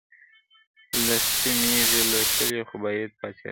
لښتې مېږې لوشلې خو بیا پاڅېده.